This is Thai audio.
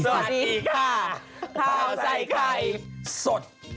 โอ้โฮ